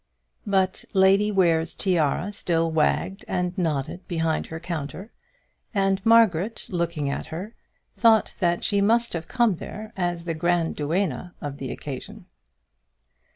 But Lady Ware's tiara still wagged and nodded behind her counter, and Margaret, looking at her, thought that she must have come there as the grand duenna of the occasion.